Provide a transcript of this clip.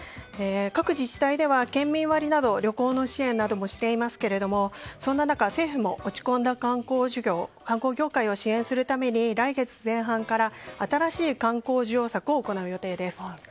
各自治体では県民割など旅行の支援をしていますがそんな中、政府も落ち込んだ観光業界を支援するために来月前半から新しい観光需要策を行う予定です。